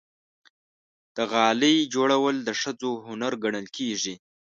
د غالۍ جوړول د ښځو هنر ګڼل کېږي.